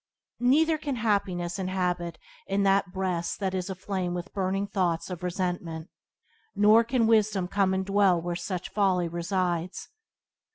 Neither can happiness inhabit in that breast that is aflame with burning thoughts of resentment. Nor can wisdom come and dwell where such folly resides.